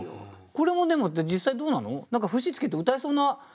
これもでも実際どうなの？